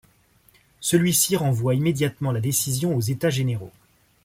Celui-ci renvoie immédiatement la décision aux États généraux.